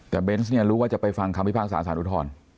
แต่เบนส์เนี่ยรู้ว่าจะไปฟังคำพิพากษาสารอุทธรณ์